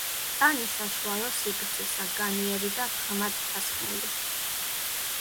ტანი საშუალო სიგრძისა, განიერი და ღრმად ჩასხმული.